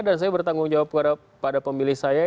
dan saya bertanggung jawab kepada pemilih saya